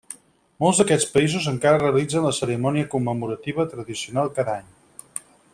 Molts d'aquests països encara realitzen la cerimònia commemorativa tradicional cada any.